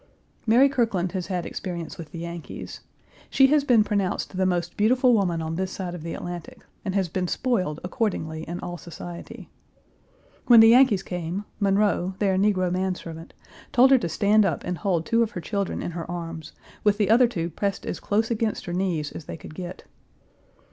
Mary Kirkland has had experience with the Yankees. She has been pronounced the most beautiful woman on this side of the Atlantic, and has been spoiled accordingly in all society. When the Yankees came, Monroe, their negro manservant, told her to stand up and hold two of her children in her arms, with the other two pressed as close against her knees as they could get.